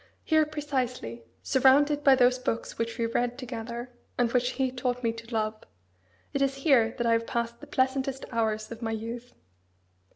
Here, precisely surrounded by those books which we read together, and which he taught me to love it is here that I have passed the pleasantest hours of my youth.